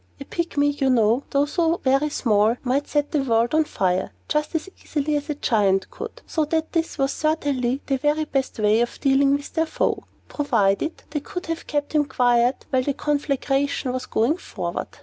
A Pygmy, you know, though so very small, might set the world on fire, just as easily as a Giant could; so that this was certainly the very best way of dealing with their foe, provided they could have kept him quiet while the conflagration was going forward.